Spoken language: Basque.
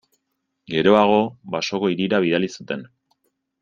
Geroago, Basoko hirira bidali zuten.